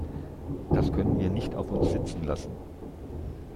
Das können wir nicht auf uns sitzen lassen!